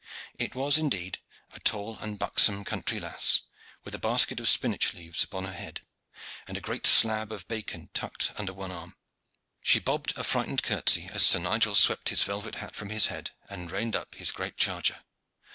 It was indeed a tall and buxom country lass, with a basket of spinach leaves upon her head, and a great slab of bacon tucked under one arm. She bobbed a frightened curtsey as Sir Nigel swept his velvet hat from his head and reined up his great charger.